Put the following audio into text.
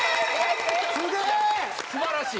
素晴らしい。